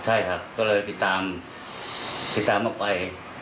ใช่ครับก็เลยติดตามติดตามออกไป